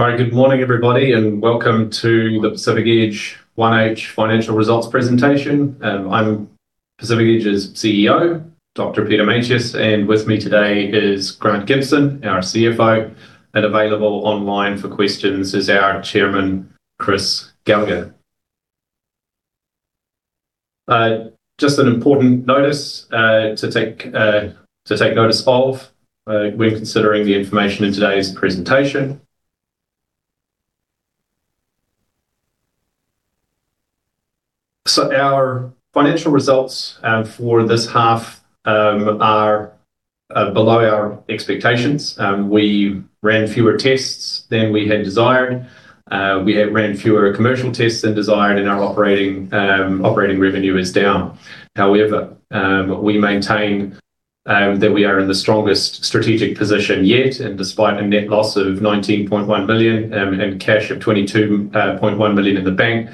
All right, good morning, everybody, and welcome to the Pacific Edge 1H Financial Results presentation. I'm Pacific Edge's CEO, Dr. Peter Meintjes, and with me today is Grant Gibson, our CFO, and available online for questions is our Chairman, Chris Gallaher. Just an important notice to take notice of when considering the information in today's presentation. Our financial results for this half are below our expectations. We ran fewer tests than we had desired. We ran fewer commercial tests than desired, and our operating revenue is down. However, we maintain that we are in the strongest strategic position yet, and despite a net loss of $19.1 million and cash of $22.1 million in the bank,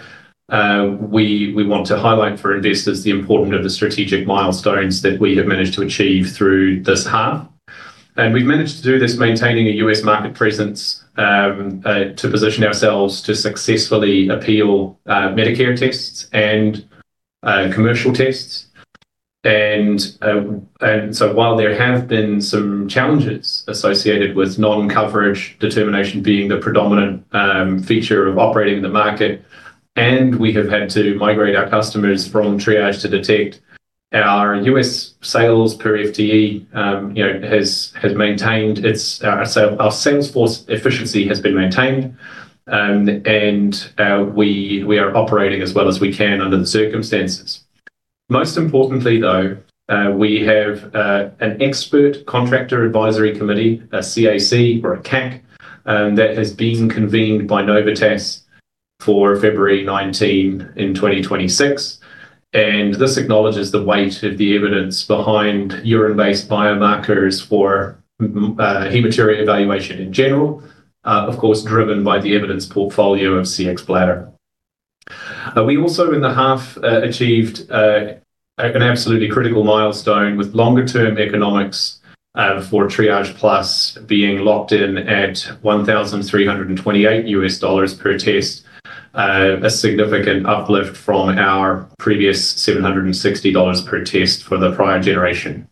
we want to highlight for investors the importance of the strategic milestones that we have managed to achieve through this half. We have managed to do this maintaining a U.S. market presence to position ourselves to successfully appeal Medicare tests and commercial tests. While there have been some challenges associated with non-coverage determination being the predominant feature of operating in the market, and we have had to migrate our customers from Triage to Detect, our U.S. sales per FTE has maintained, our sales force efficiency has been maintained, and we are operating as well as we can under the circumstances. Most importantly, though, we have an expert Contractor Advisory Committee, a CAC or a CAC, that has been convened by Novitas for February 19 in 2026. This acknowledges the weight of the evidence behind urine-based biomarkers for hematuria evaluation in general, of course, driven by the evidence portfolio of Cxbladder. We also in the half achieved an absolutely critical milestone with longer-term economics for Triage Plus being locked in at $1,328 per test, a significant uplift from our previous $760 per test for the prior generation.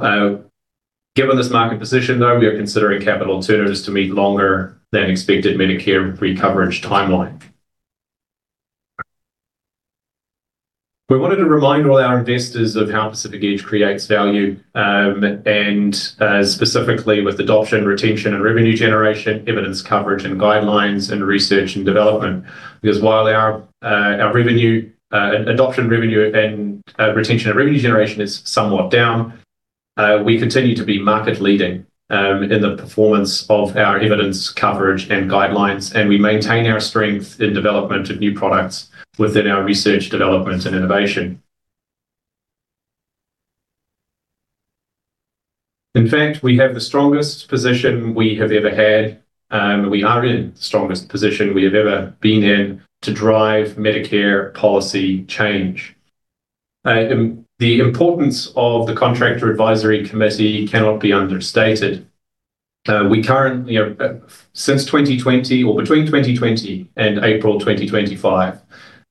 Given this market position, though, we are considering capital alternatives to meet longer-than-expected Medicare recovery timeline. We wanted to remind all our investors of how Pacific Edge creates value, and specifically with adoption, retention, and revenue generation, evidence coverage and guidelines, and research and development. Because while our adoption, revenue, and retention, and revenue generation is somewhat down, we continue to be market-leading in the performance of our evidence coverage and guidelines, and we maintain our strength in development of new products within our research, development, and innovation. In fact, we have the strongest position we have ever had, and we are in the strongest position we have ever been in to drive Medicare policy change. The importance of the Contractor Advisory Committee cannot be understated. Since 2020, or between 2020 and April 2025,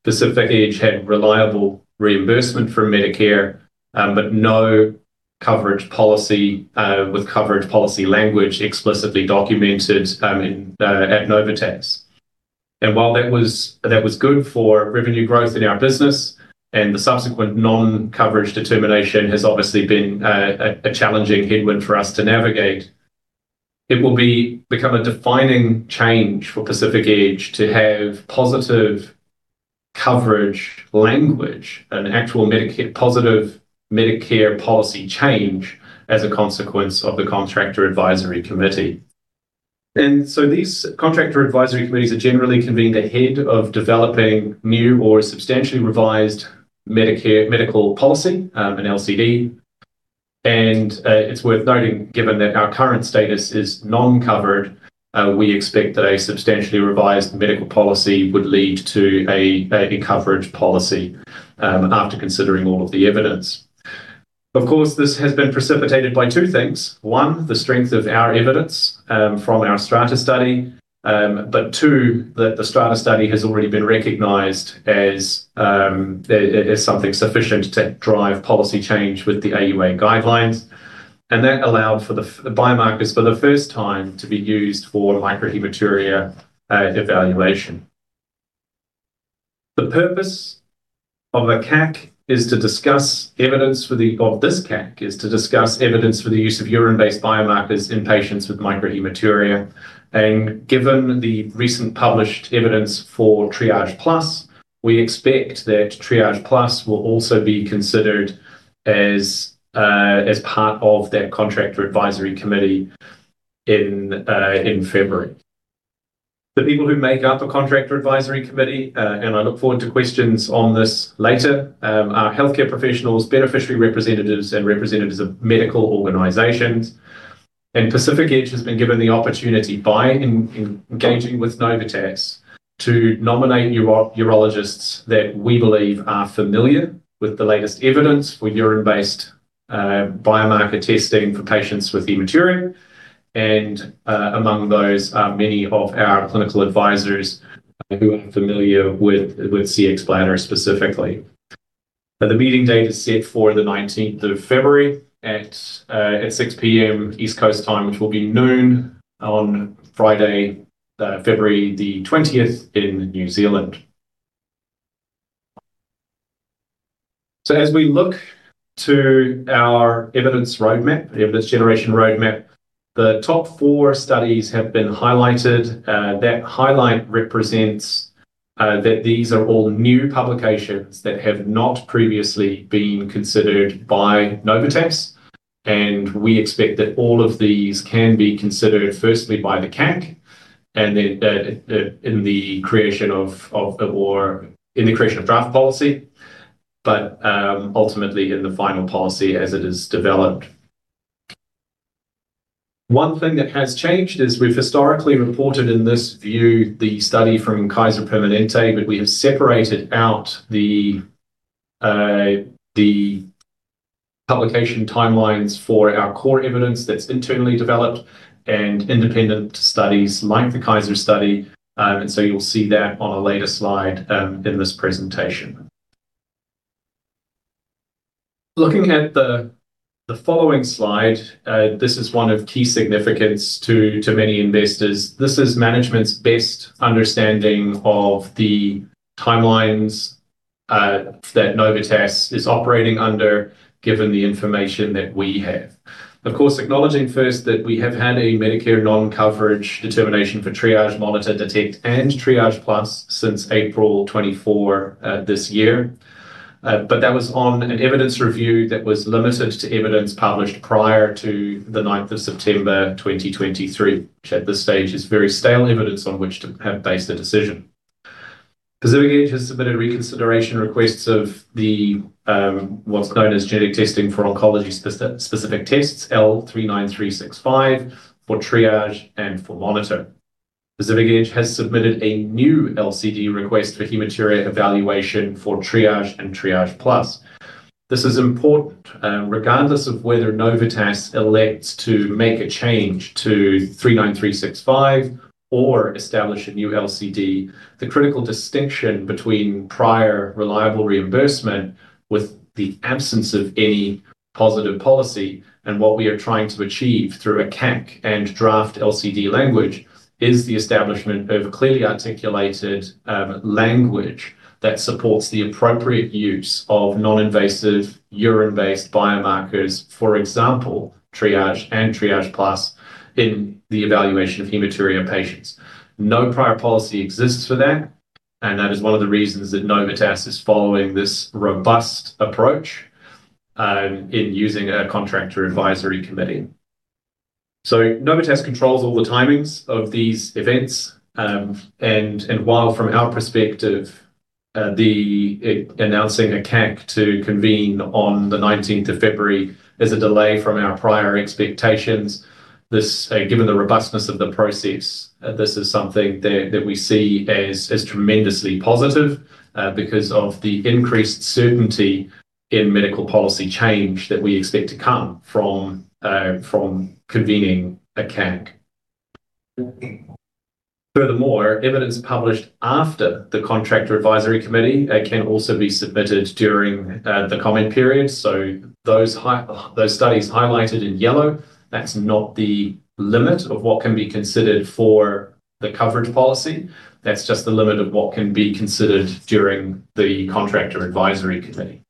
Pacific Edge had reliable reimbursement from Medicare, but no coverage policy with coverage policy language explicitly documented at Novitas. While that was good for revenue growth in our business, and the subsequent non-coverage determination has obviously been a challenging headwind for us to navigate, it will become a defining change for Pacific Edge to have positive coverage language and actual positive Medicare policy change as a consequence of the Contractor Advisory Committee. These Contractor Advisory Committees are generally convened ahead of developing new or substantially revised medical policy, an LCD. It is worth noting, given that our current status is non-covered, we expect that a substantially revised medical policy would lead to a coverage policy after considering all of the evidence. Of course, this has been precipitated by two things. One, the strength of our evidence from our strata study, and two, that the strata study has already been recognized as something sufficient to drive policy change with the AUA guidelines. That allowed for the biomarkers for the first time to be used for microhematuria evaluation. The purpose of a CAC is to discuss evidence for the use of urine-based biomarkers in patients with microhematuria. Given the recent published evidence for Triage Plus, we expect that Triage Plus will also be considered as part of that Contractor Advisory Committee in February. The people who make up the Contractor Advisory Committee, and I look forward to questions on this later, are healthcare professionals, beneficiary representatives, and representatives of medical organizations. Pacific Edge has been given the opportunity by engaging with Novitas to nominate urologists that we believe are familiar with the latest evidence for urine-based biomarker testing for patients with hematuria. Among those are many of our clinical advisors who are familiar with Cxbladder specifically. The meeting date is set for the 19th of February at 6:00 P.M. East Coast Time, which will be noon on Friday, February the 20th in New Zealand. As we look to our evidence roadmap, evidence generation roadmap, the top four studies have been highlighted. That highlight represents that these are all new publications that have not previously been considered by Novitas. We expect that all of these can be considered firstly by the CAC and then in the creation of or in the creation of draft policy, but ultimately in the final policy as it is developed. One thing that has changed is we have historically reported in this view the study from Kaiser Permanente, but we have separated out the publication timelines for our core evidence that is internally developed and independent studies like the Kaiser study. You will see that on a later slide in this presentation. Looking at the following slide, this is one of key significance to many investors. This is management's best understanding of the timelines that Novitas is operating under, given the information that we have. Of course, acknowledging first that we have had a Medicare non-coverage determination for triage, monitor, detect, and Triage Plus since April 24 this year. That was on an evidence review that was limited to evidence published prior to the 9th of September 2023, which at this stage is very stale evidence on which to have based a decision. Pacific Edge has submitted reconsideration requests of what's known as genetic testing for oncology-specific tests, L39365, for triage and for monitor. Pacific Edge has submitted a new LCD request for hematuria evaluation for triage and Triage Plus. This is important regardless of whether Novitas elects to make a change to 39365 or establish a new LCD. The critical distinction between prior reliable reimbursement with the absence of any positive policy and what we are trying to achieve through a CAC and draft LCD language is the establishment of a clearly articulated language that supports the appropriate use of non-invasive urine-based biomarkers, for example, triage and Triage Plus in the evaluation of hematuria patients. No prior policy exists for that, and that is one of the reasons that Novitas is following this robust approach in using a Contractor Advisory Committee. Novitas controls all the timings of these events. While from our perspective, announcing a CAC to convene on the 19th of February is a delay from our prior expectations, given the robustness of the process, this is something that we see as tremendously positive because of the increased certainty in medical policy change that we expect to come from convening a CAC. Furthermore, evidence published after the Contractor Advisory Committee can also be submitted during the comment period. Those studies highlighted in yellow, that's not the limit of what can be considered for the coverage policy. That's just the limit of what can be considered during the Contractor Advisory Committee.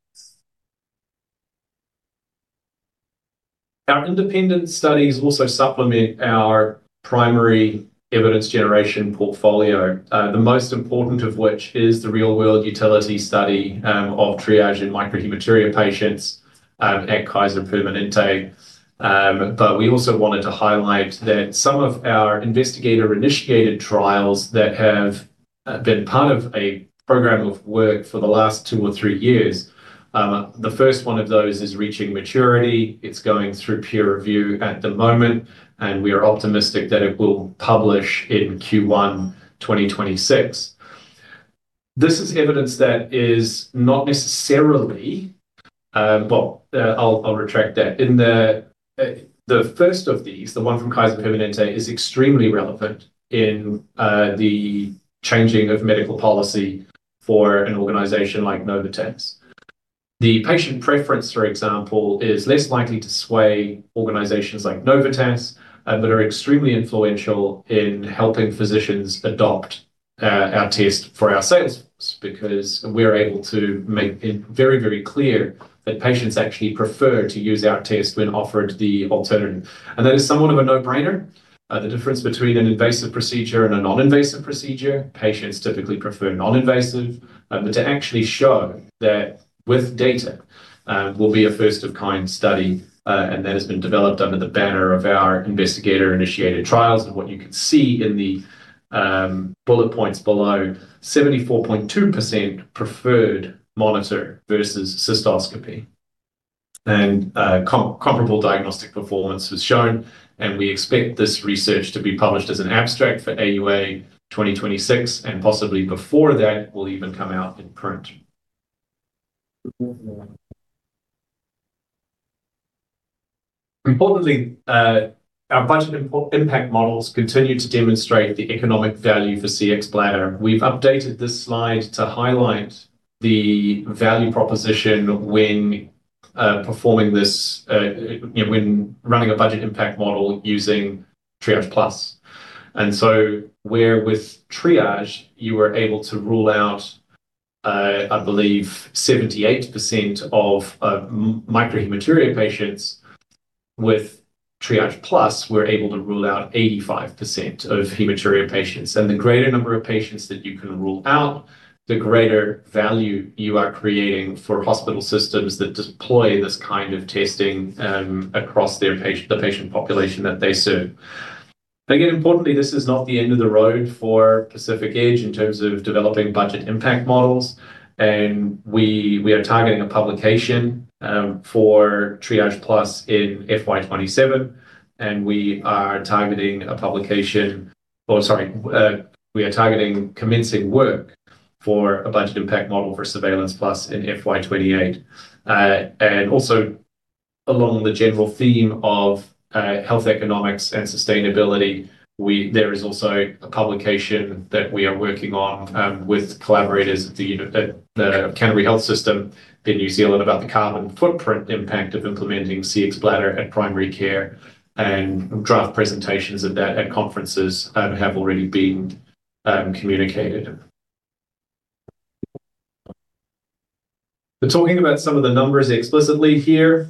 Our independent studies also supplement our primary evidence generation portfolio, the most important of which is the real-world utility study of triage and microhematuria patients at Kaiser Permanente. We also wanted to highlight that some of our investigator-initiated trials have been part of a program of work for the last two or three years. The first one of those is reaching maturity. It's going through peer review at the moment, and we are optimistic that it will publish in Q1 2026. This is evidence that is not necessarily—actually, I'll retract that. The first of these, the one from Kaiser Permanente, is extremely relevant in the changing of medical policy for an organization like Novitas. The patient preference, for example, is less likely to sway organizations like Novitas that are extremely influential in helping physicians adopt our test for our sales force because we are able to make it very, very clear that patients actually prefer to use our test when offered the alternative. That is somewhat of a no-brainer. The difference between an invasive procedure and a non-invasive procedure, patients typically prefer non-invasive. To actually show that with data will be a first-of-kind study, and that has been developed under the banner of our investigator-initiated trials. What you can see in the bullet points below, 74.2% preferred Monitor versus cystoscopy. Comparable diagnostic performance was shown. We expect this research to be published as an abstract for AUA 2026, and possibly before that will even come out in print. Importantly, our budget impact models continue to demonstrate the economic value for Cxbladder. We've updated this slide to highlight the value proposition when performing this, when running a budget impact model using Triage Plus. Where with Triage, you were able to rule out, I believe, 78% of microhematuria patients. With Triage Plus, we're able to rule out 85% of hematuria patients. The greater number of patients that you can rule out, the greater value you are creating for hospital systems that deploy this kind of testing across the patient population that they serve. Again, importantly, this is not the end of the road for Pacific Edge in terms of developing budget impact models. We are targeting a publication for Triage Plus in FY 2027. We are targeting commencing work for a budget impact model for Surveillance Plus in FY 2028. Also along the general theme of health economics and sustainability, there is a publication that we are working on with collaborators at the Canterbury Health System in New Zealand about the carbon footprint impact of implementing Cxbladder at primary care. Draft presentations at conferences have already been communicated. Talking about some of the numbers explicitly here,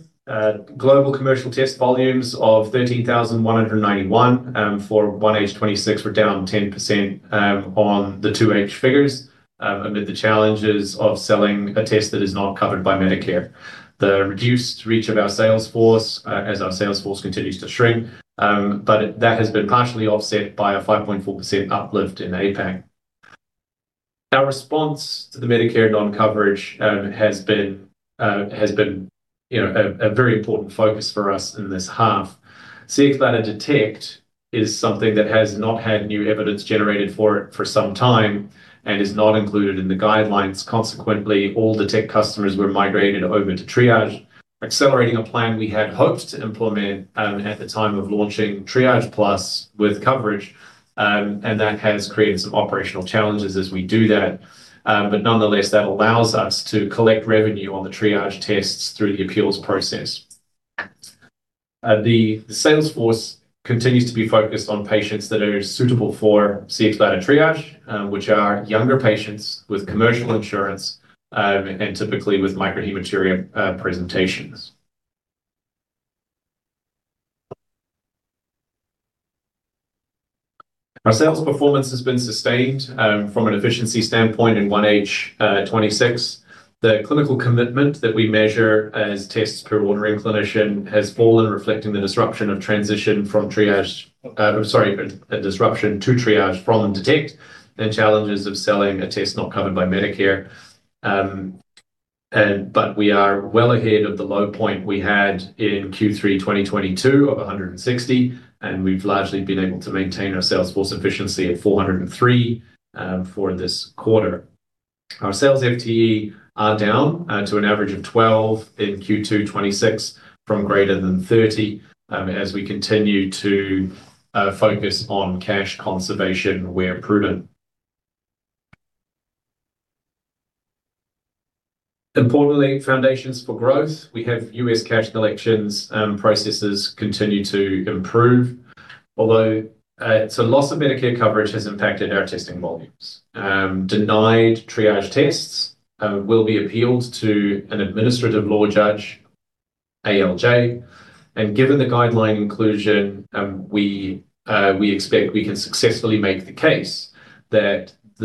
global commercial test volumes of 13,191 for 1H 2026 were down 10% on the 2H figures amid the challenges of selling a test that is not covered by Medicare. The reduced reach of our sales force as our sales force continues to shrink has been partially offset by a 5.4% uplift in Asia-Pacific. Our response to the Medicare non-coverage has been a very important focus for us in this half. CX Bladder Detect is something that has not had new evidence generated for it for some time and is not included in the guidelines. Consequently, all Detect customers were migrated over to Triage, accelerating a plan we had hoped to implement at the time of launching Triage Plus with coverage. That has created some operational challenges as we do that. Nonetheless, that allows us to collect revenue on the Triage tests through the appeals process. The sales force continues to be focused on patients that are suitable for CX Bladder Triage, which are younger patients with commercial insurance and typically with microhematuria presentations. Our sales performance has been sustained from an efficiency standpoint in 1H2026. The clinical commitment that we measure as tests per ordering clinician has fallen, reflecting the disruption of transition from triage—sorry, disruption to triage from detect and challenges of selling a test not covered by Medicare. We are well ahead of the low point we had in Q3 2022 of 160, and we've largely been able to maintain our sales force efficiency at 403 for this quarter. Our sales FTE are down to an average of 12 in Q2 2026 from greater than 30 as we continue to focus on cash conservation where prudent. Importantly, foundations for growth. We have U.S. cash collections processes continue to improve, although some loss of Medicare coverage has impacted our testing volumes. Denied triage tests will be appealed to an Administrative Law Judge, ALJ. Given the guideline inclusion, we expect we can successfully make the case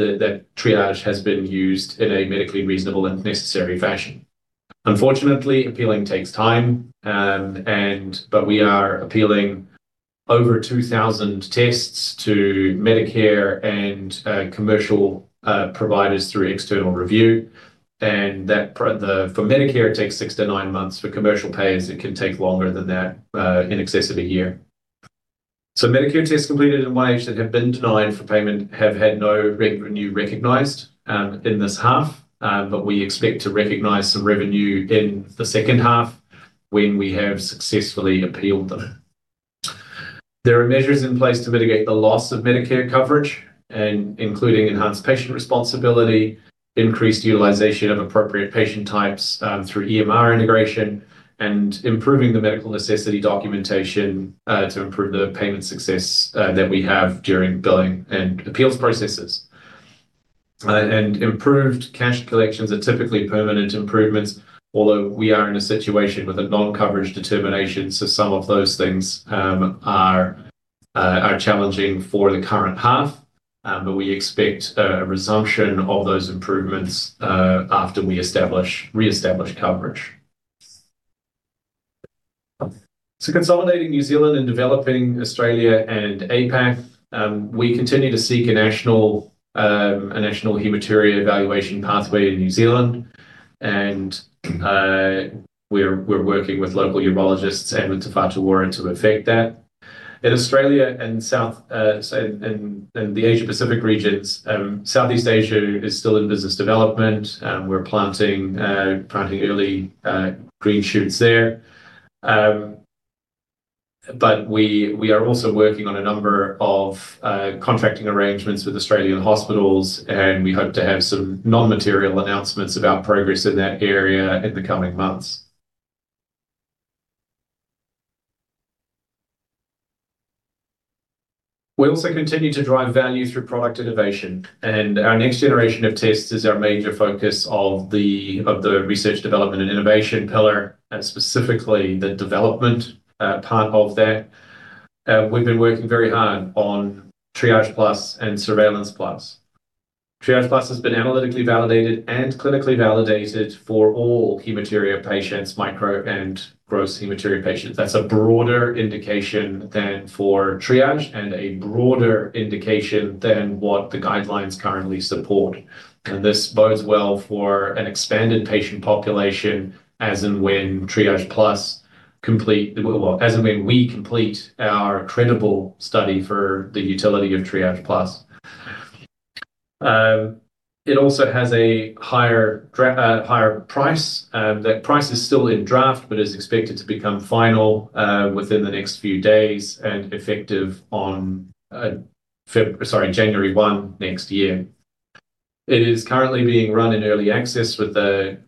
that Triage has been used in a medically reasonable and necessary fashion. Unfortunately, appealing takes time, but we are appealing over 2,000 tests to Medicare and commercial providers through external review. For Medicare, it takes six to nine months. For commercial payers, it can take longer than that, in excess of a year. Medicare tests completed in 1H that have been denied for payment have had no revenue recognized in this half, but we expect to recognize some revenue in the second half when we have successfully appealed them. There are measures in place to mitigate the loss of Medicare coverage, including enhanced patient responsibility, increased utilization of appropriate patient types through EMR integration, and improving the medical necessity documentation to improve the payment success that we have during billing and appeals processes. Improved cash collections are typically permanent improvements, although we are in a situation with a non-coverage determination. Some of those things are challenging for the current half, but we expect a resumption of those improvements after we reestablish coverage. Consolidating New Zealand and developing Australia and APAC, we continue to seek a national hematuria evaluation pathway in New Zealand. We are working with local urologists and with Te Whatu Ora to affect that. In Australia and the Asia-Pacific regions, Southeast Asia is still in business development. We are planting early green shoots there. We are also working on a number of contracting arrangements with Australian hospitals, and we hope to have some non-material announcements about progress in that area in the coming months. We also continue to drive value through product innovation. Our next generation of tests is our major focus of the research, development, and innovation pillar, and specifically the development part of that. We've been working very hard on Triage Plus and Surveillance Plus. Triage Plus has been analytically validated and clinically validated for all hematuria patients, micro and gross hematuria patients. That's a broader indication than for Triage and a broader indication than what the guidelines currently support. This bodes well for an expanded patient population as and when Triage Plus—well, as and when we complete our credible study for the utility of Triage Plus. It also has a higher price. That price is still in draft, but is expected to become final within the next few days and effective on, sorry, January 1 next year. It is currently being run in early access with a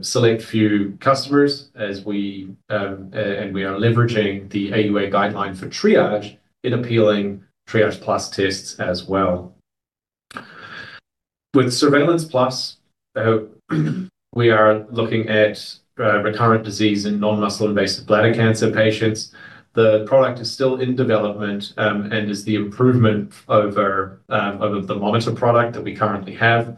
select few customers, and we are leveraging the AUA guideline for triage in appealing Triage Plus tests as well. With Surveillance Plus, we are looking at recurrent disease in non-muscle invasive bladder cancer patients. The product is still in development and is the improvement over the Monitor product that we currently have.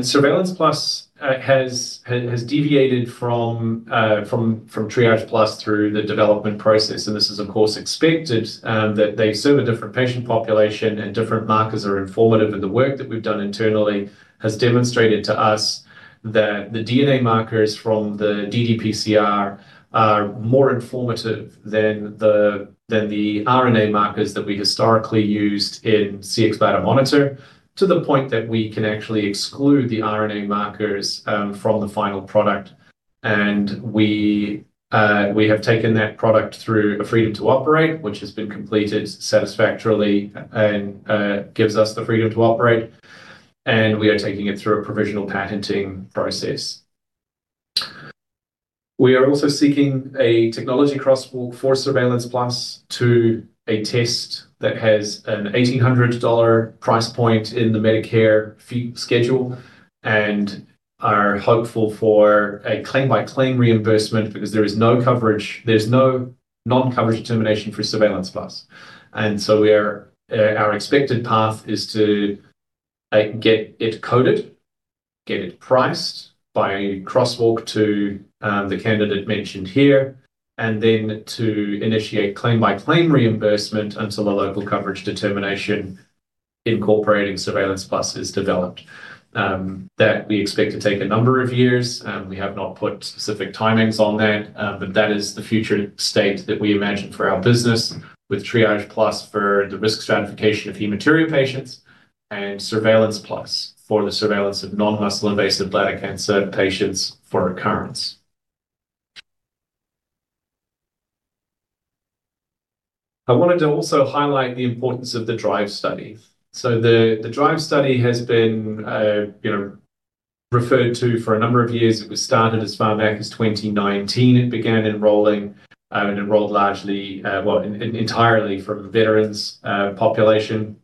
Surveillance Plus has deviated from Triage Plus through the development process. This is, of course, expected as they serve a different patient population, and different markers are informative. The work that we've done internally has demonstrated to us that the DNA markers from the ddPCR are more informative than the RNA markers that we historically used in Cxbladder Monitor, to the point that we can actually exclude the RNA markers from the final product. We have taken that product through a freedom to operate, which has been completed satisfactorily and gives us the freedom to operate. We are taking it through a provisional patenting process. We are also seeking a technology crosswalk for Surveillance Plus to a test that has a $1,800 price point in the Medicare fee schedule and are hopeful for a claim-by-claim reimbursement because there is no coverage, there's no non-coverage determination for Surveillance Plus. Our expected path is to get it coded, get it priced by crosswalk to the candidate mentioned here, and then to initiate claim-by-claim reimbursement until a local coverage determination incorporating Surveillance Plus is developed. That we expect to take a number of years. We have not put specific timings on that, but that is the future state that we imagine for our business with Triage Plus for the risk stratification of hematuria patients and Surveillance Plus for the surveillance of non-muscle invasive bladder cancer patients for recurrence. I wanted to also highlight the importance of the DRIVE study. The DRIVE study has been referred to for a number of years. It was started as far back as 2019. It began enrolling and enrolled largely, well, entirely from veterans' population.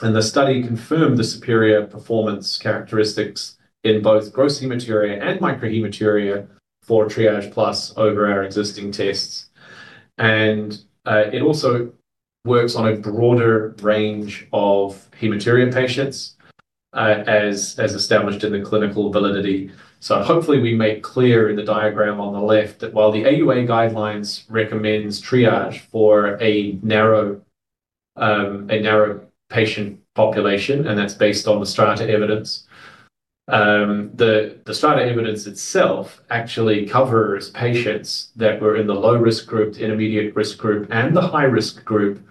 The study confirmed the superior performance characteristics in both gross hematuria and microhematuria for Triage Plus over our existing tests. It also works on a broader range of hematuria patients as established in the clinical validity. Hopefully, we make clear in the diagram on the left that while the AUA guidelines recommend triage for a narrow patient population, and that's based on the STRATA evidence, the STRATA evidence itself actually covers patients that were in the low-risk group, the intermediate risk group, and the high-risk group.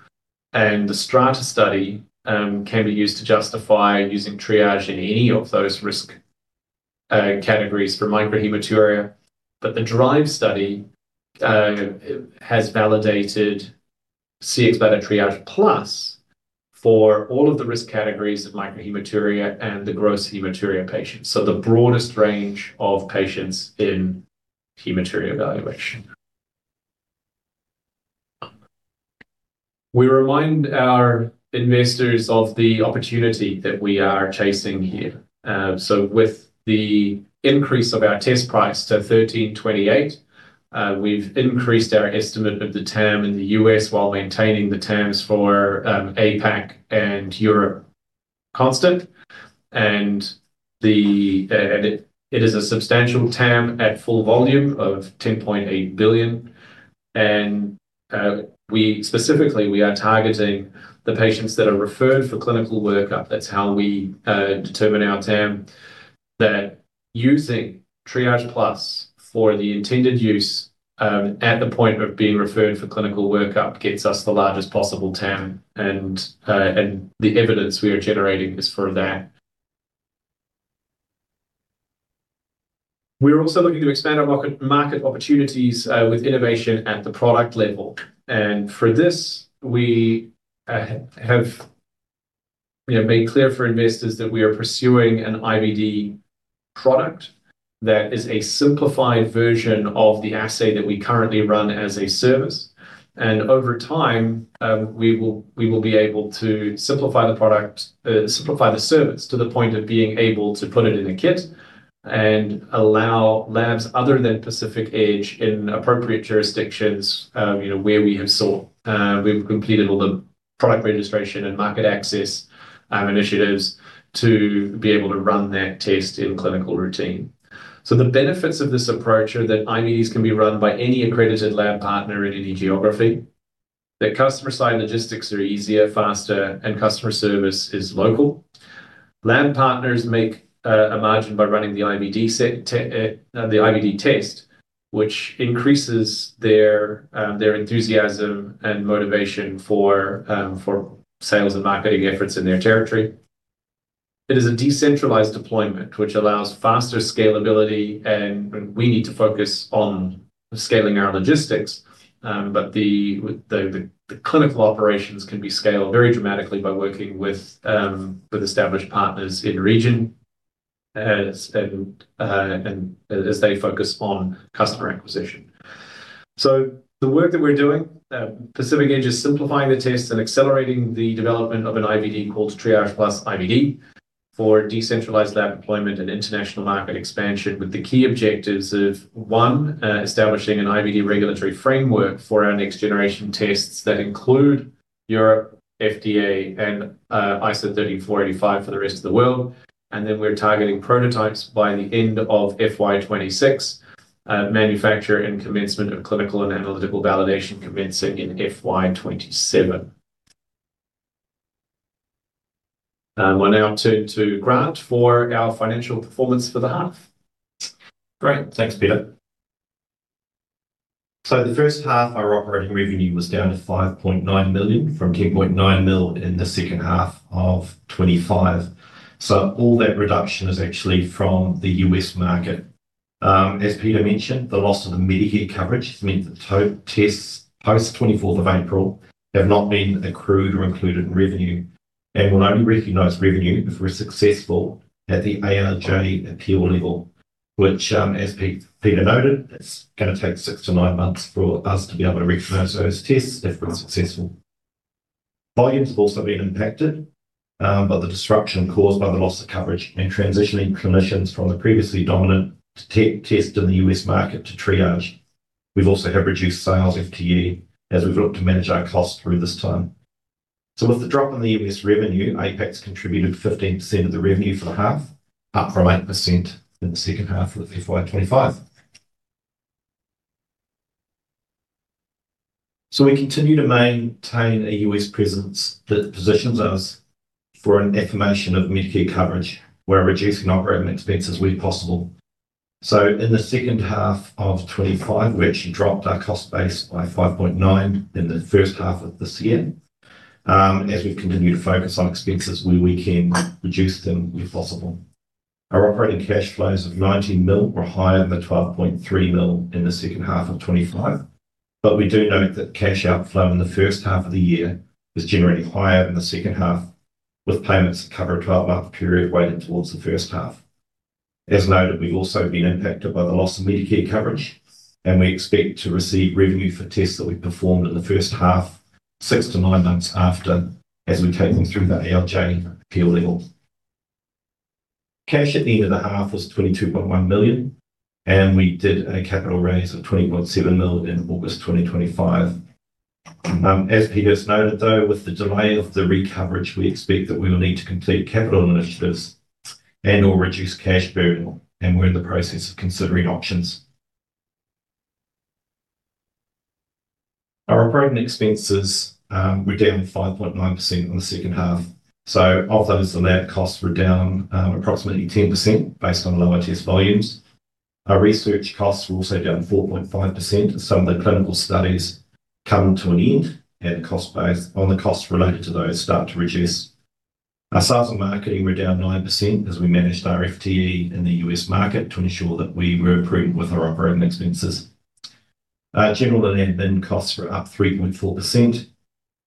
The STRATA study can be used to justify using triage in any of those risk categories for microhematuria. The DRIVE study has validated Cxbladder Triage Plus for all of the risk categories of microhematuria and the gross hematuria patients. The broadest range of patients in hematuria evaluation. We remind our investors of the opportunity that we are chasing here. With the increase of our test price to $1,328, we've increased our estimate of the TAM in the U.S. while maintaining the TAMs for APAC and Europe constant. It is a substantial TAM at full volume of $10.8 billion. Specifically, we are targeting the patients that are referred for clinical workup. That is how we determine our TAM. Using Triage Plus for the intended use at the point of being referred for clinical workup gets us the largest possible TAM. The evidence we are generating is for that. We are also looking to expand our market opportunities with innovation at the product level. For this, we have made clear for investors that we are pursuing an IVD product that is a simplified version of the assay that we currently run as a service. Over time, we will be able to simplify the product, simplify the service to the point of being able to put it in a kit and allow labs other than Pacific Edge in appropriate jurisdictions where we have sought. We've completed all the product registration and market access initiatives to be able to run that test in clinical routine. The benefits of this approach are that IVDs can be run by any accredited lab partner in any geography. The customer-side logistics are easier, faster, and customer service is local. Lab partners make a margin by running the IVD test, which increases their enthusiasm and motivation for sales and marketing efforts in their territory. It is a decentralized deployment, which allows faster scalability, and we need to focus on scaling our logistics. The clinical operations can be scaled very dramatically by working with established partners in the region as they focus on customer acquisition. The work that we're doing, Pacific Edge is simplifying the tests and accelerating the development of an IVD called Triage Plus IVD for decentralized lab deployment and international market expansion with the key objectives of, one, establishing an IVD regulatory framework for our next generation tests that include Europe, FDA, and ISO 3485 for the rest of the world. We are targeting prototypes by the end of fiscal year 2026, manufacture and commencement of clinical and analytical validation commencing in fiscal year 2027. We'll now turn to Grant for our financial performance for the half. Great. Thanks, Peter. The first half, our operating revenue was down to 5.9 million from 10.9 million in the second half of 2025. All that reduction is actually from the U.S. market. As Peter mentioned, the loss of the Medicare coverage has meant that tests post-24th of April have not been accrued or included in revenue. We will only recognize revenue if we are successful at the ALJ appeal level, which, as Peter noted, is going to take six to nine months for us to be able to recognize those tests if we are successful. Volumes have also been impacted by the disruption caused by the loss of coverage and transitioning clinicians from the previously dominant test in the U.S. market to triage. We have also had reduced sales FTE as we have looked to manage our costs through this time. With the drop in the U.S. revenue, APAC has contributed 15% of the revenue for the half, up from 8% in the second half of FY 2025. We continue to maintain a U.S. presence that positions us for an affirmation of Medicare coverage. We're reducing operating expenses where possible. In the second half of 2025, we actually dropped our cost base by $5.9 million in the first half of this year. As we continue to focus on expenses where we can reduce them where possible. Our operating cash flows of $19 million were higher than the $12.3 million in the second half of 2025. We do note that cash outflow in the first half of the year is generally higher than the second half, with payments covering a 12-month period weighted towards the first half. As noted, we've also been impacted by the loss of Medicare coverage, and we expect to receive revenue for tests that we performed in the first half six to nine months after as we're taking through the ALJ appeal level. Cash at the end of the half was 22.1 million, and we did a capital raise of 20.7 million in August 2025. As Peter has noted, though, with the delay of the recovery, we expect that we will need to complete capital initiatives and/or reduce cash burden, and we're in the process of considering options. Our operating expenses were down 5.9% in the second half. Of those, the lab costs were down approximately 10% based on lower test volumes. Our research costs were also down 4.5% as some of the clinical studies come to an end and the costs related to those start to reduce. Our sales and marketing were down 9% as we managed our FTE in the U.S. market to ensure that we were approved with our operating expenses. General and admin costs were up 3.4%.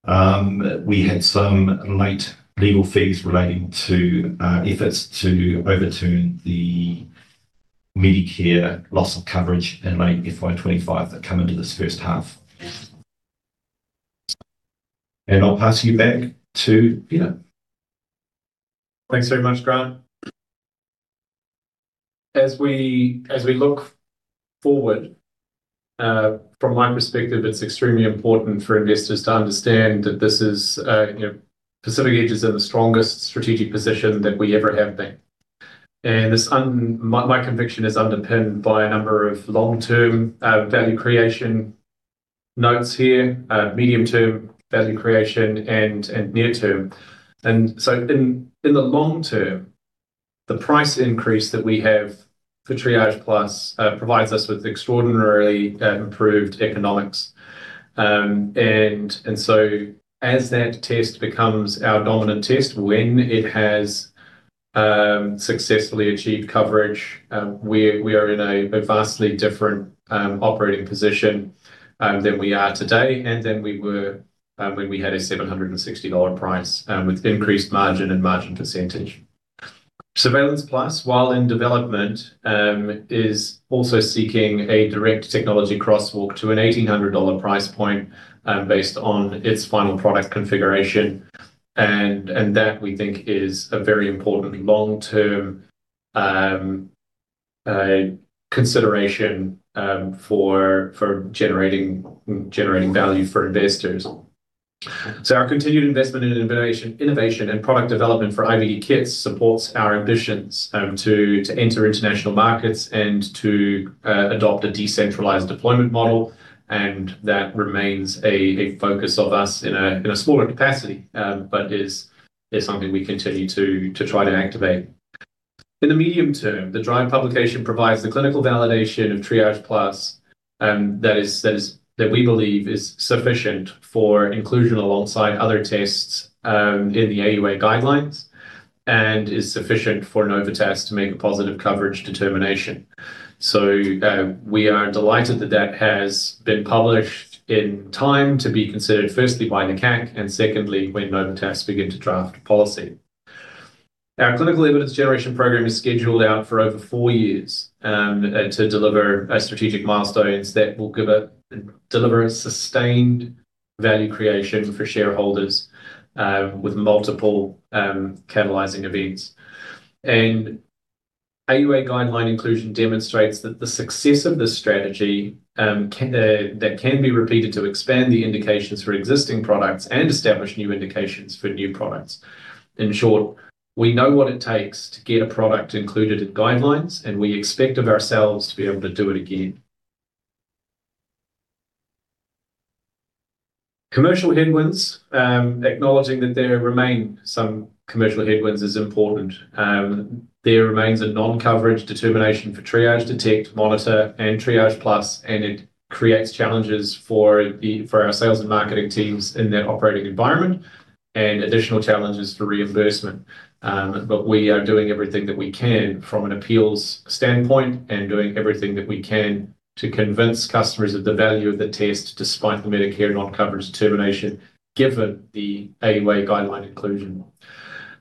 We had some late legal fees relating to efforts to overturn the Medicare loss of coverage in late fiscal year 2025 that come into this first half. I'll pass you back to Peter. Thanks very much, Grant. As we look forward, from my perspective, it's extremely important for investors to understand that Pacific Edge is in the strongest strategic position that we ever have been. My conviction is underpinned by a number of long-term value creation notes here, medium-term value creation, and near-term. In the long term, the price increase that we have for Triage Plus provides us with extraordinarily improved economics. As that test becomes our dominant test, when it has successfully achieved coverage, we are in a vastly different operating position than we are today and than we were when we had a $760 price with increased margin and margin percentage. Surveillance Plus, while in development, is also seeking a direct technology crosswalk to a $1,800 price point based on its final product configuration. That, we think, is a very important long-term consideration for generating value for investors. Our continued investment in innovation and product development for IVD kits supports our ambitions to enter international markets and to adopt a decentralized deployment model. That remains a focus of us in a smaller capacity, but is something we continue to try to activate. In the medium term, the drive publication provides the clinical validation of Triage Plus that we believe is sufficient for inclusion alongside other tests in the AUA guidelines and is sufficient for Novitas to make a positive coverage determination. We are delighted that that has been published in time to be considered firstly by NACAC and secondly when Novitas begin to draft policy. Our clinical evidence generation program is scheduled out for over four years to deliver strategic milestones that will deliver sustained value creation for shareholders with multiple catalyzing events. AUA guideline inclusion demonstrates that the success of this strategy can be repeated to expand the indications for existing products and establish new indications for new products. In short, we know what it takes to get a product included in guidelines, and we expect of ourselves to be able to do it again. Commercial headwinds, acknowledging that there remain some commercial headwinds, is important. There remains a non-coverage determination for Triage, Detect, Monitor, and Triage Plus, and it creates challenges for our sales and marketing teams in their operating environment and additional challenges for reimbursement. We are doing everything that we can from an appeals standpoint and doing everything that we can to convince customers of the value of the test despite the Medicare non-coverage determination given the AUA guideline inclusion.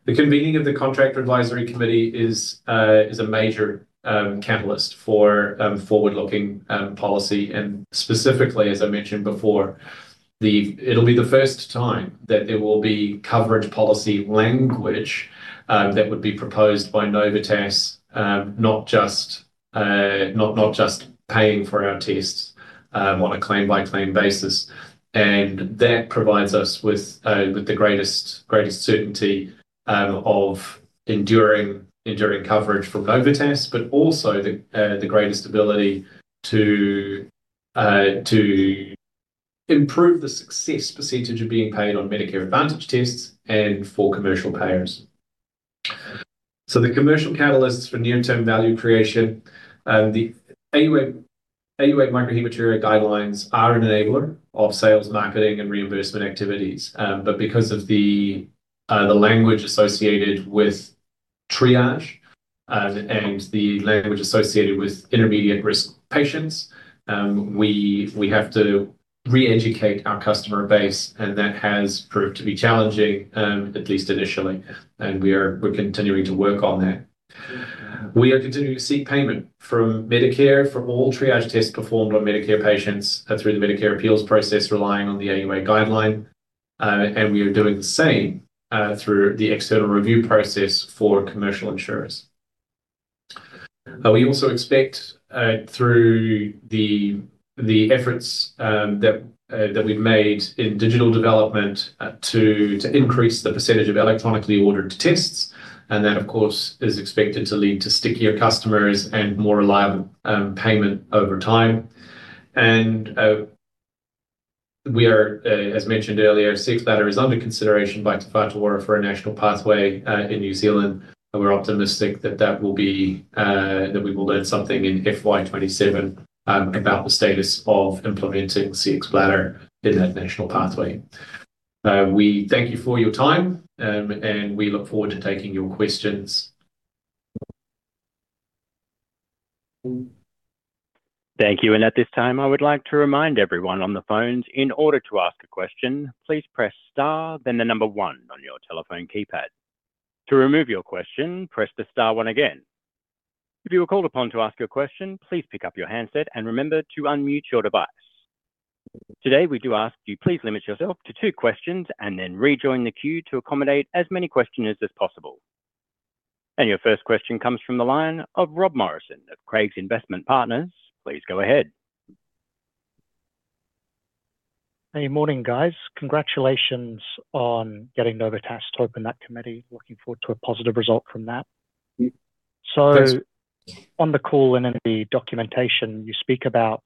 The convening of the Contractor Advisory Committee is a major catalyst for forward-looking policy. Specifically, as I mentioned before, it'll be the first time that there will be coverage policy language that would be proposed by Novitas, not just paying for our tests on a claim-by-claim basis. That provides us with the greatest certainty of enduring coverage from Novitas, but also the greatest ability to improve the success percentage of being paid on Medicare Advantage tests and for commercial payers. The commercial catalysts for near-term value creation, the AUA microhematuria guidelines are an enabler of sales, marketing, and reimbursement activities. Because of the language associated with triage and the language associated with intermediate risk patients, we have to re-educate our customer base, and that has proved to be challenging, at least initially. We are continuing to work on that. We are continuing to seek payment from Medicare for all triage tests performed on Medicare patients through the Medicare appeals process relying on the AUA guideline. We are doing the same through the external review process for commercial insurers. We also expect through the efforts that we've made in digital development to increase the percentage of electronically ordered tests. That, of course, is expected to lead to stickier customers and more reliable payment over time. As mentioned earlier, Cxbladder is under consideration by Te Whatu Ora for a national pathway in New Zealand. We're optimistic that we will learn something in FY 2027 about the status of implementing Cxbladder in that national pathway. We thank you for your time, and we look forward to taking your questions. Thank you. At this time, I would like to remind everyone on the phones, in order to ask a question, please press Star, then the number one on your telephone keypad. To remove your question, press the Star one again. If you are called upon to ask a question, please pick up your handset and remember to unmute your device. Today, we do ask you please limit yourself to two questions and then rejoin the queue to accommodate as many questioners as possible. Your first question comes from the line of Rob Morrison of Craigs Investment Partners. Please go ahead. Hey, morning, guys. Congratulations on getting Novitas to open that committee. Looking forward to a positive result from that. On the call and in the documentation, you speak about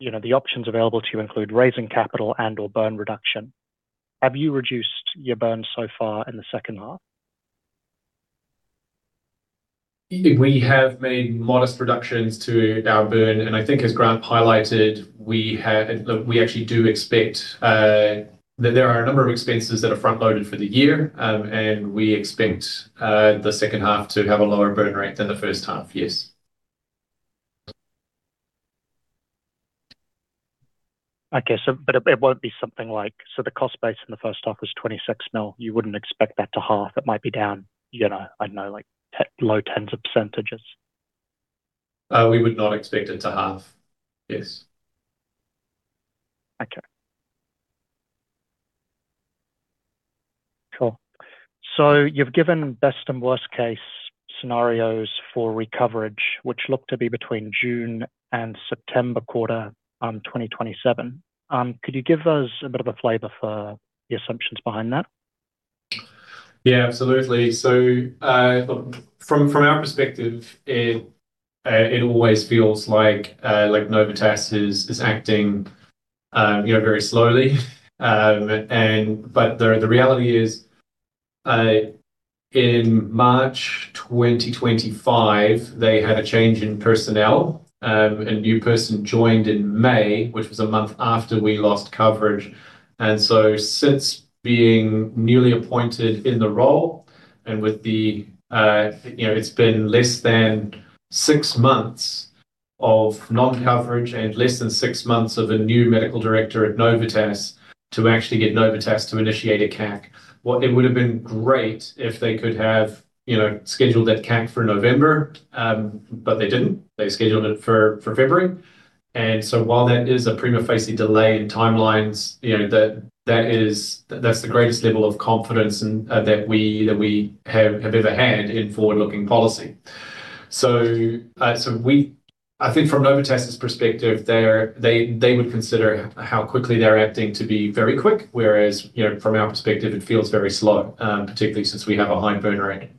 the options available to you include raising capital and/or burn reduction. Have you reduced your burn so far in the second half? We have made modest reductions to our burn. I think, as Grant highlighted, we actually do expect that there are a number of expenses that are front-loaded for the year, and we expect the second half to have a lower burn rate than the first half, yes. Okay. It will not be something like, so the cost base in the first half was 26 million. You would not expect that to half. It might be down, I know, like low tens of percentages. We would not expect it to half, yes. Okay. Cool. You have given best and worst-case scenarios for recovery, which look to be between June and September quarter 2027. Could you give us a bit of a flavor for the assumptions behind that? Yeah, absolutely. From our perspective, it always feels like Novitas is acting very slowly. The reality is, in March 2025, they had a change in personnel. A new person joined in May, which was a month after we lost coverage. Since being newly appointed in the role, it has been less than six months of non-coverage and less than six months of a new medical director at Novitas to actually get Novitas to initiate a CAC. It would have been great if they could have scheduled that CAC for November, but they did not. They scheduled it for February. While that is a prima facie delay in timelines, that's the greatest level of confidence that we have ever had in forward-looking policy. I think from Novitas's perspective, they would consider how quickly they're acting to be very quick, whereas from our perspective, it feels very slow, particularly since we have a high burn rate.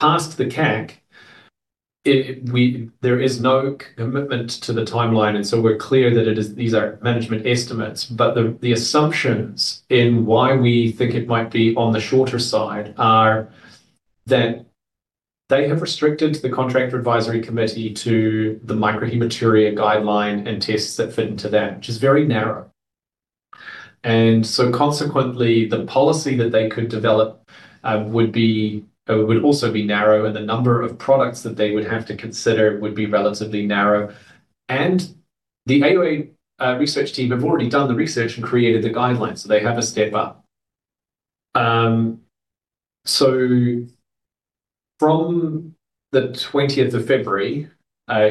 Past the CAC, there is no commitment to the timeline. We are clear that these are management estimates. The assumptions in why we think it might be on the shorter side are that they have restricted the Contractor Advisory Committee to the microhematuria guideline and tests that fit into that, which is very narrow. Consequently, the policy that they could develop would also be narrow, and the number of products that they would have to consider would be relatively narrow. The AUA research team have already done the research and created the guidelines, so they have a step up. From the 20th of February,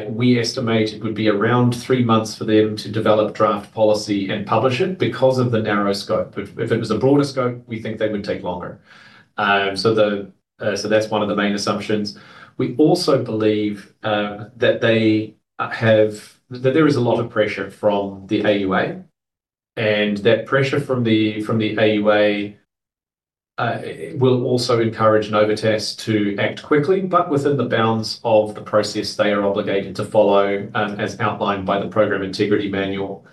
we estimate it would be around three months for them to develop draft policy and publish it because of the narrow scope. If it was a broader scope, we think they would take longer. That is one of the main assumptions. We also believe that there is a lot of pressure from the AUA, and that pressure from the AUA will also encourage Novitas to act quickly, but within the bounds of the process they are obligated to follow as outlined by the program integrity manual.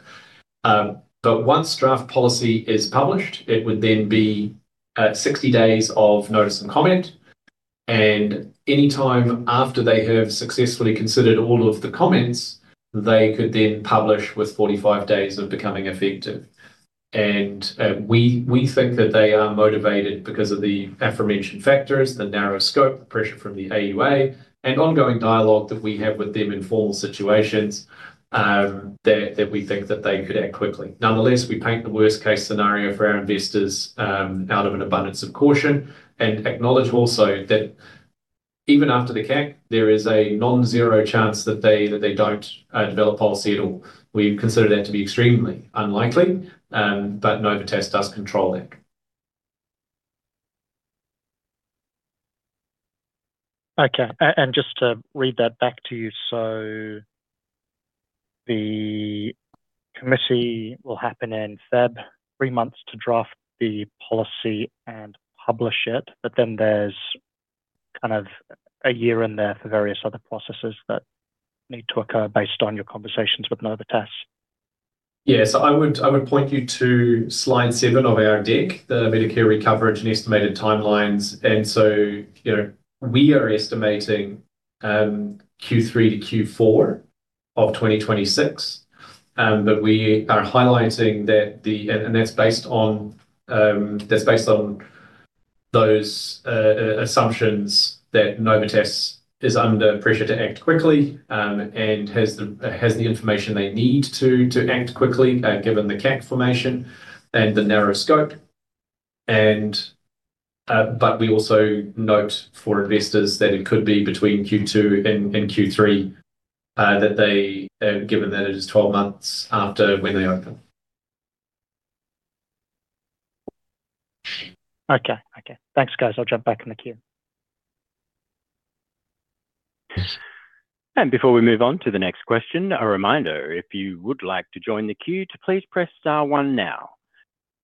Once draft policy is published, it would then be 60 days of notice and comment. Anytime after they have successfully considered all of the comments, they could then publish with 45 days of becoming effective. We think that they are motivated because of the aforementioned factors, the narrow scope, the pressure from the AUA, and ongoing dialogue that we have with them in formal situations that we think that they could act quickly. Nonetheless, we paint the worst-case scenario for our investors out of an abundance of caution and acknowledge also that even after the CAC, there is a non-zero chance that they do not develop policy at all. We consider that to be extremely unlikely, but Novitas does control that. Okay. Just to read that back to you. The committee will happen in February, three months to draft the policy and publish it. Then there is kind of a year in there for various other processes that need to occur based on your conversations with Novitas. Yeah. I would point you to slide seven of our deck, the Medicare Recovery and Estimated Timelines. We are estimating Q3 to Q4 of 2026. We are highlighting that, and that's based on those assumptions that Novitas is under pressure to act quickly and has the information they need to act quickly given the CAC formation and the narrow scope. We also note for investors that it could be between Q2 and Q3 that they, given that it is 12 months after when they open. Okay. Thanks, guys. I'll jump back in the queue. Before we move on to the next question, a reminder, if you would like to join the queue, please press Star one now.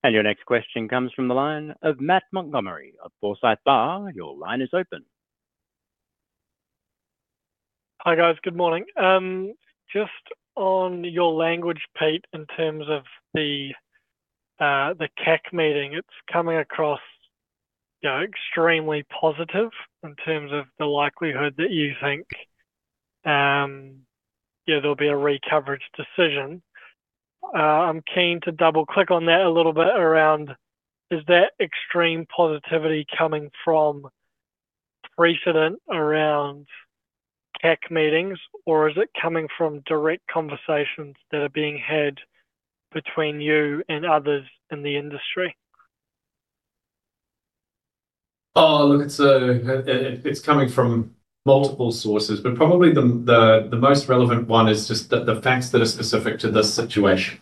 Your next question comes from the line of Matt Montgomery of Forsyth Barr. Your line is open. Hi, guys. Good morning. Just on your language, Pete, in terms of the CAC meeting, it's coming across extremely positive in terms of the likelihood that you think there'll be a recovery decision. I'm keen to double-click on that a little bit around, is that extreme positivity coming from precedent around CAC meetings, or is it coming from direct conversations that are being had between you and others in the industry? Oh, look, it's coming from multiple sources, but probably the most relevant one is just the facts that are specific to this situation.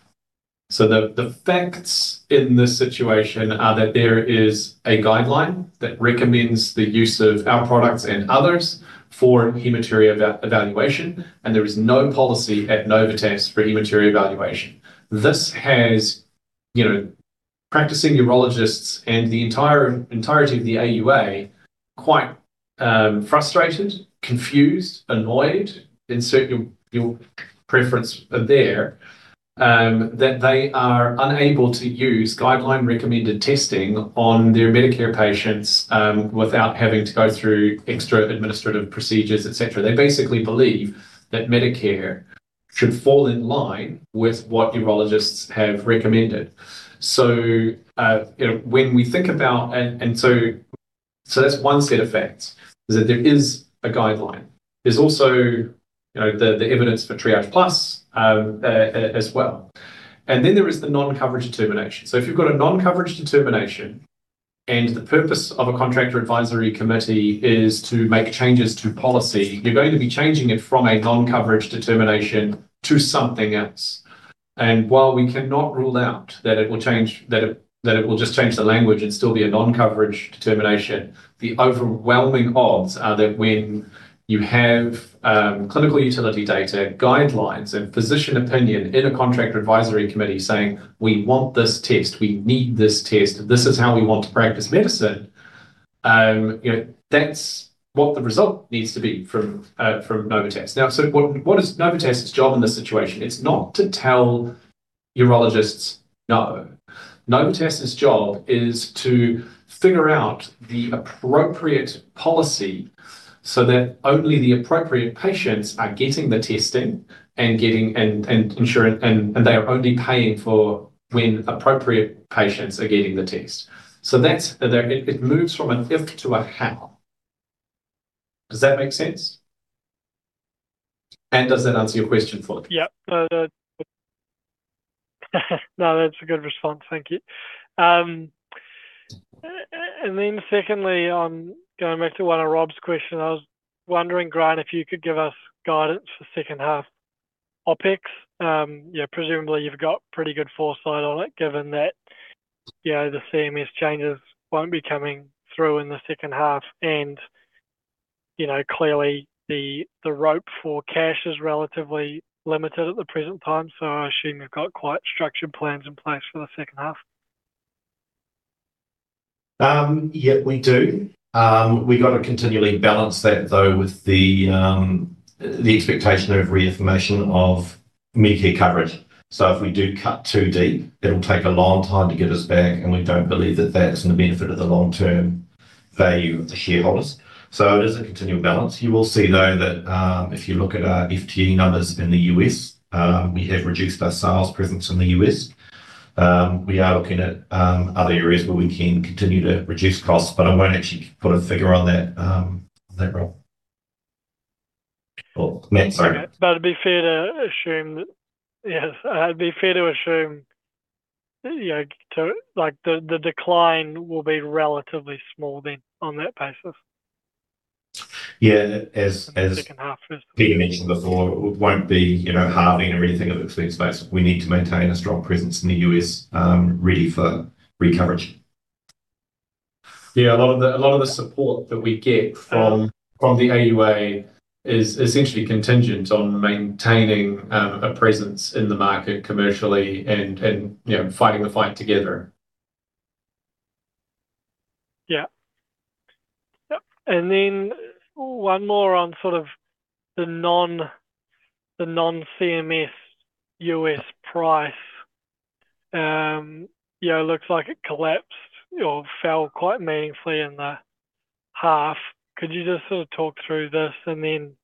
The facts in this situation are that there is a guideline that recommends the use of our products and others for hematuria evaluation, and there is no policy at Novitas for hematuria evaluation. This has practicing urologists and the entirety of the AUA quite frustrated, confused, annoyed, insert your preference there, that they are unable to use guideline-recommended testing on their Medicare patients without having to go through extra administrative procedures, etc. They basically believe that Medicare should fall in line with what urologists have recommended. When we think about it, that is one set of facts, that there is a guideline. There is also the evidence for Triage Plus as well. Then there is the non-coverage determination. If you have a non-coverage determination and the purpose of a Contractor Advisory Committee is to make changes to policy, you are going to be changing it from a non-coverage determination to something else. While we cannot rule out that it will change, that it will just change the language and still be a non-coverage determination, the overwhelming odds are that when you have clinical utility data, guidelines, and physician opinion in a Contractor Advisory Committee saying, "We want this test. We need this test. This is how we want to practice medicine," that's what the result needs to be from Novitas. Now, what is Novitas's job in this situation? It's not to tell urologists no. Novitas's job is to figure out the appropriate policy so that only the appropriate patients are getting the testing and insurance, and they are only paying for when appropriate patients are getting the test. It moves from an if to a how. Does that make sense? And does that answer your question, Fuller? Yep. No, that's a good response. Thank you. Then secondly, going back to one of Rob's questions, I was wondering, Grant, if you could give us guidance for second half OpEx. Presumably, you've got pretty good foresight on it, given that the CMS changes won't be coming through in the second half. Clearly, the rope for cash is relatively limited at the present time. I assume you've got quite structured plans in place for the second half. Yep, we do. We've got to continually balance that, though, with the expectation of reaffirmation of Medicare coverage. If we do cut too deep, it'll take a long time to get us back, and we don't believe that that's in the benefit of the long-term value of the shareholders. It is a continual balance. You will see, though, that if you look at our FTE numbers in the U.S., we have reduced our sales presence in the U.S. We are looking at other areas where we can continue to reduce costs, but I won't actually put a figure on that, Rob. Matt, sorry. But it'd be fair to assume that, yes, it'd be fair to assume the decline will be relatively small then on that basis. Yeah. As Peter mentioned before, it won't be halving or anything of the expense base. We need to maintain a strong presence in the U.S. ready for recovery. Yeah. A lot of the support that we get from the AUA is essentially contingent on maintaining a presence in the market commercially and fighting the fight together. Yeah. Yep. And then one more on sort of the non-CMS U.S. price. It looks like it collapsed or fell quite meaningfully in the half. Could you just sort of talk through this and then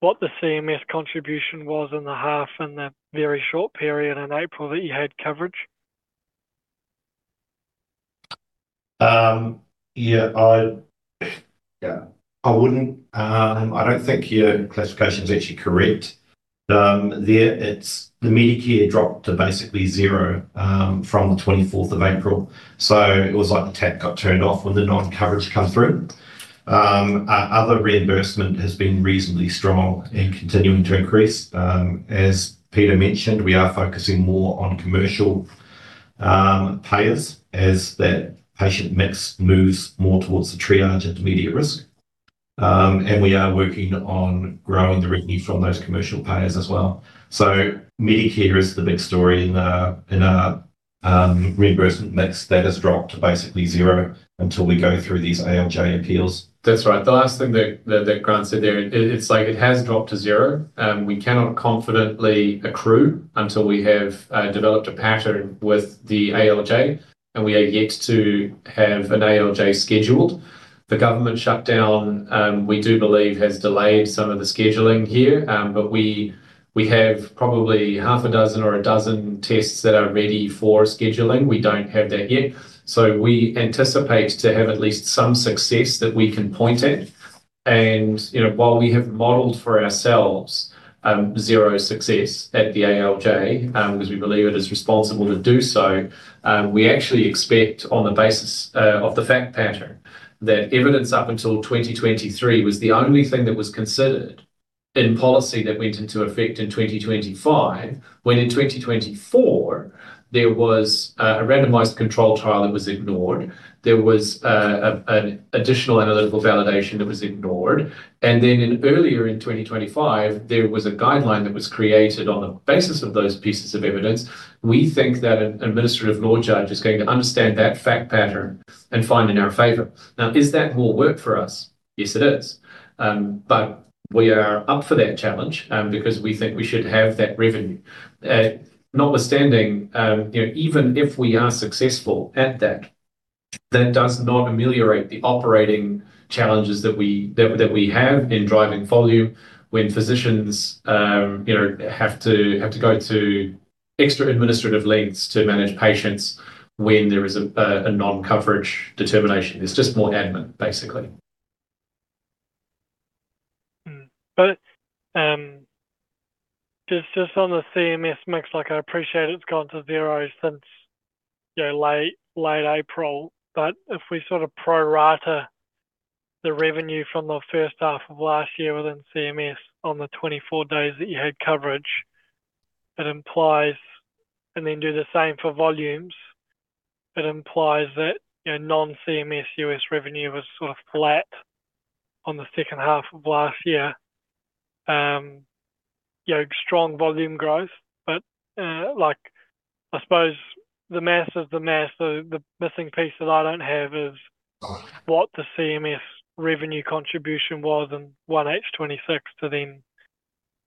what the CMS contribution was in the half in the very short period in April that you had coverage? Yeah. I do not think your classification is actually correct. The Medicare dropped to basically zero from the 24th of April. It was like the tap got turned off when the non-coverage came through. Other reimbursement has been reasonably strong and continuing to increase. As Peter mentioned, we are focusing more on commercial payers as that patient mix moves more towards the triage intermediate risk. We are working on growing the revenue from those commercial payers as well. Medicare is the big story in our reimbursement mix that has dropped to basically zero until we go through these ALJ appeals. That is right. The last thing that Grant said there, it's like it has dropped to zero. We cannot confidently accrue until we have developed a pattern with the ALJ, and we have yet to have an ALJ scheduled. The government shutdown, we do believe, has delayed some of the scheduling here, but we have probably half a dozen or a dozen tests that are ready for scheduling. We do not have that yet. We anticipate to have at least some success that we can point at. While we have modeled for ourselves zero success at the ALJ because we believe it is responsible to do so, we actually expect on the basis of the fact pattern that evidence up until 2023 was the only thing that was considered in policy that went into effect in 2025, when in 2024, there was a randomized control trial that was ignored. There was an additional analytical validation that was ignored. Earlier in 2025, there was a guideline that was created on the basis of those pieces of evidence. We think that an Administrative Law Judge is going to understand that fact pattern and find in our favor. Now, is that more work for us? Yes, it is. We are up for that challenge because we think we should have that revenue. Notwithstanding, even if we are successful at that, that does not ameliorate the operating challenges that we have in driving volume when physicians have to go to extra administrative lengths to manage patients when there is a non-coverage determination. It is just more admin, basically. Just on the CMS mix, I appreciate it's gone to zero since late April. If we sort of pro-rata the revenue from the first half of last year within CMS on the 24 days that you had coverage, and then do the same for volumes, it implies that non-CMS U.S. revenue was sort of flat on the second half of last year. Strong volume growth, but I suppose the math is the math. The missing piece that I don't have is what the CMS revenue contribution was in 1H2026 to then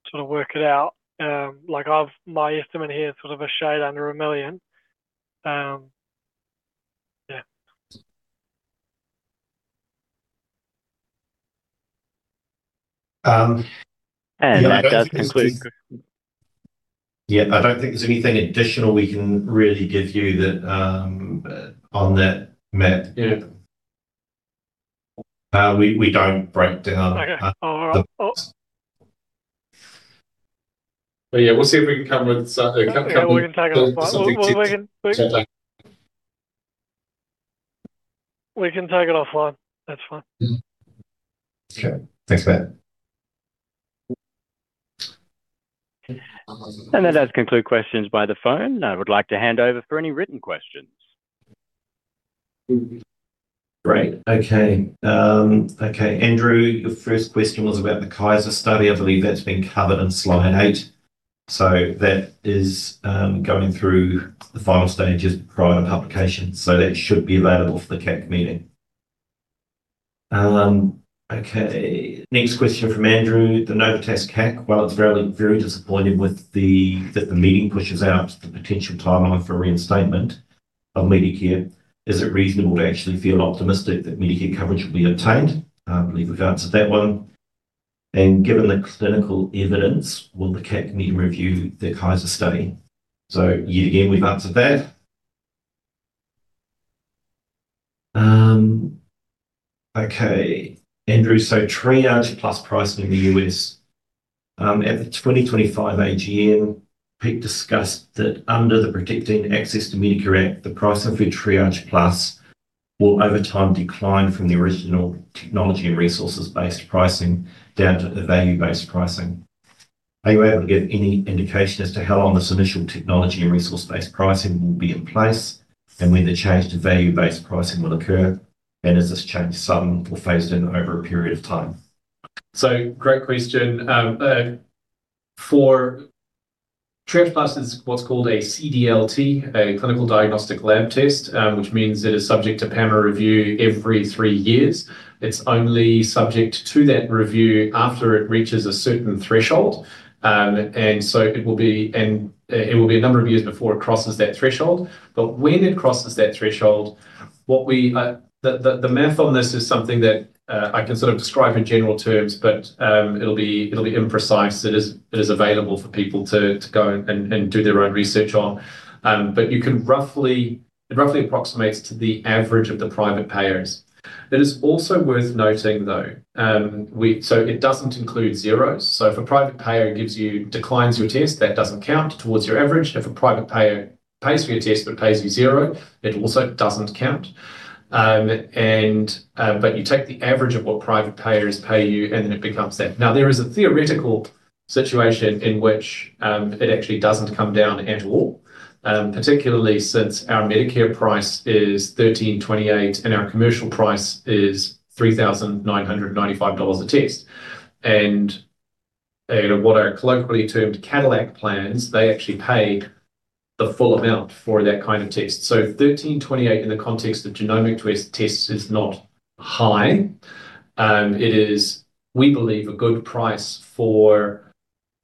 sort of work it out. My estimate here is sort of a shade under $1 million. Yeah. That does conclude. Yeah. I don't think there's anything additional we can really give you on that, Matt. We don't break down. We'll see if we can come with something. Yeah. We can take it offline. We can take it offline. That's fine. Okay. Thanks, Matt. That does conclude questions by the phone. I would like to hand over for any written questions. Great. Okay. Okay. Andrew, your first question was about the Kaiser study. I believe that's been covered in slide eight. That is going through the final stages prior to publication. That should be available for the CAC meeting. Next question from Andrew. The Novitas CAC, while it's very disappointing that the meeting pushes out the potential timeline for reinstatement of Medicare, is it reasonable to actually feel optimistic that Medicare coverage will be obtained? I believe we've answered that one. Given the clinical evidence, will the CAC meeting review the Kaiser study? Yet again, we've answered that. Andrew, Triage Plus pricing in the U.S. At the 2025 AGM, Pete discussed that under the Protecting Access to Medicare Act, the pricing for Triage Plus will over time decline from the original technology and resources-based pricing down to the value-based pricing. Are you able to give any indication as to how long this initial technology and resource-based pricing will be in place and when the change to value-based pricing will occur? Is this change sudden or phased in over a period of time? Great question. For Triage Plus, it is what's called a CDLT, a clinical diagnostic lab test, which means it is subject to panel review every three years. It is only subject to that review after it reaches a certain threshold. It will be a number of years before it crosses that threshold. When it crosses that threshold, the math on this is something that I can sort of describe in general terms, but it'll be imprecise. It is available for people to go and do their own research on. You can roughly, it roughly approximates to the average of the private payers. It is also worth noting, though, it does not include zeros. If a private payer declines your test, that does not count towards your average. If a private payer pays for your test but pays you zero, it also does not count. You take the average of what private payers pay you, and then it becomes that. There is a theoretical situation in which it actually does not come down at all, particularly since our Medicare price is $1,328 and our commercial price is $3,995 a test. What are colloquially termed Cadillac plans, they actually pay the full amount for that kind of test. So $1,328 in the context of genomic tests is not high. It is, we believe, a good price for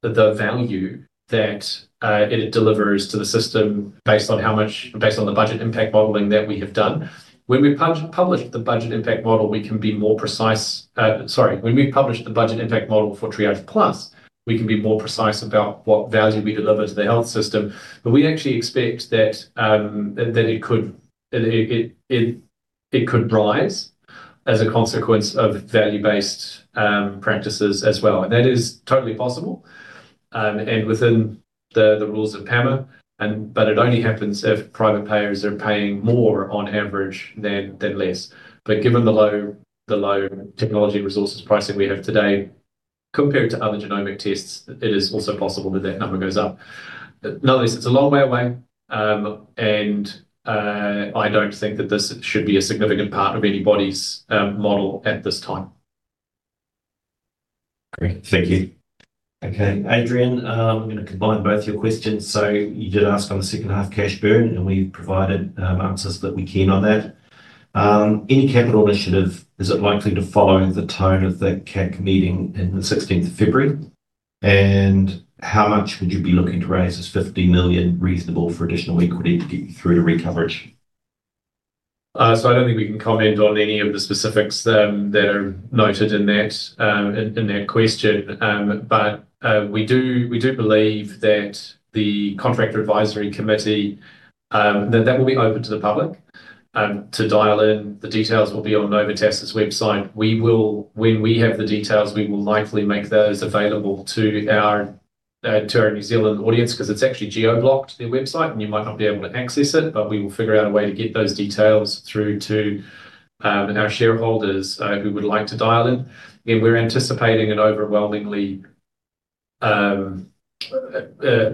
the value that it delivers to the system based on the budget impact modeling that we have done. When we publish the budget impact model, we can be more precise. Sorry. When we publish the budget impact model for Triage Plus, we can be more precise about what value we deliver to the health system. We actually expect that it could rise as a consequence of value-based practices as well. That is totally possible and within the rules of PAMA. It only happens if private payers are paying more on average than less. Given the low technology resources pricing we have today, compared to other genomic tests, it is also possible that that number goes up. Now, it is a long way away, and I do not think that this should be a significant part of anybody's model at this time. Great. Thank you. Okay. Adrian, I am going to combine both your questions. You did ask on the second half cash burn, and we have provided answers that we can on that. Any capital initiative, is it likely to follow the tone of the CAC meeting in the 16th of February? How much would you be looking to raise? Is $50 million reasonable for additional equity to get you through to recovery? I do not think we can comment on any of the specifics that are noted in that question. We do believe that the Contractor Advisory Committee, that that will be open to the public to dial in. The details will be on Novitas's website. When we have the details, we will likely make those available to our New Zealand audience because it's actually geo-blocked, their website, and you might not be able to access it. We will figure out a way to get those details through to our shareholders who would like to dial in. Again, we're anticipating an overwhelmingly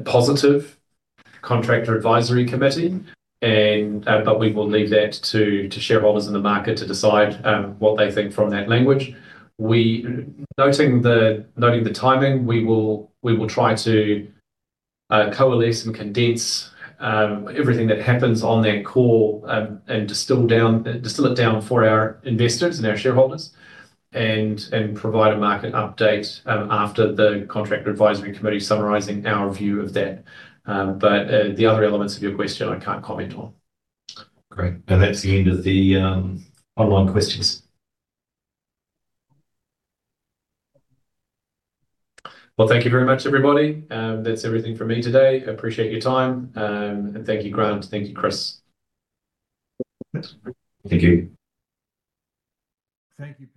positive Contractor Advisory Committee, but we will leave that to shareholders in the market to decide what they think from that language. Noting the timing, we will try to coalesce and condense everything that happens on that call and distill it down for our investors and our shareholders and provide a market update after the Contractor Advisory Committee summarizing our view of that. But the other elements of your question, I can't comment on. Great. That's the end of the online questions. Thank you very much, everybody. That's everything for me today. Appreciate your time. Thank you, Grant. Thank you, Chris. Thank you. Thank you, Pete.